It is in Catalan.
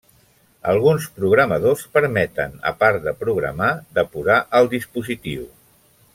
Alguns programadors permeten, a part de programar, depurar el dispositiu.